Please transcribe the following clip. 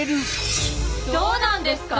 どうなんですか？